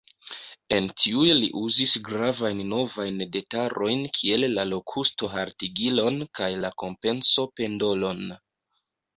En tiuj li uzis gravajn novajn detalojn kiel la lokusto-haltigilon kaj la kompenso-pendolon.